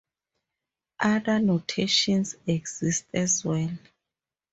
Other notations exist as well.